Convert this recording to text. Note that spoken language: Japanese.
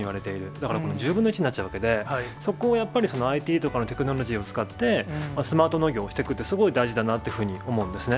だから１０分の１になっちゃうわけで、そこをやっぱりＩＴとかのテクノロジーを使って、スマート農業をしていくって、すごい大事だなっていうふうに思うんですね。